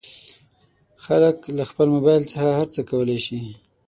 خلک له خپل مبایل څخه هر څه کولی شي.